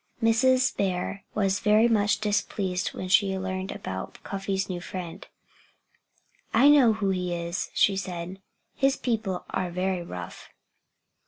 Mrs. Bear was very much displeased when she learned about Cuffy's new friend. "I know who he is," she said. "His people are very rough.